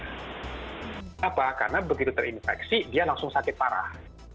kenapa karena begitu terinfeksi dia langsung sakit parah